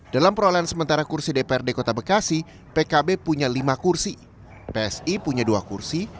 dalam perolehan sementara kursi dprd kota bekasi pkb punya lima kursi psi punya dua kursi